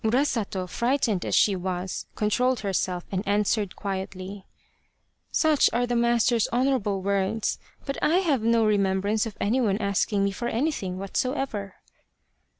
Urasato, frightened as she was, controlled herself and answered quietly :" Such are the master's honourable words, but I have no remembrance of anyone asking me for any thing whatsoever."